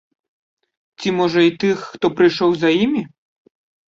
Ці, можа, і тых, хто прыйшоў за імі?